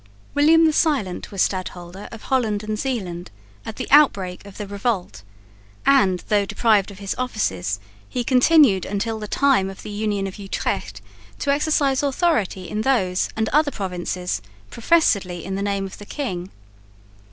William the Silent was Stadholder of Holland and Zeeland at the outbreak of the revolt, and, though deprived of his offices, he continued until the time of the Union of Utrecht to exercise authority in those and other provinces professedly in the name of the king.